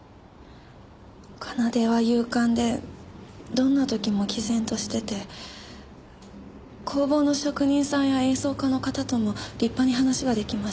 奏は勇敢でどんな時も毅然としてて工房の職人さんや演奏家の方とも立派に話が出来ました。